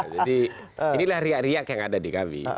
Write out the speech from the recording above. jadi inilah riak riak yang ada di kami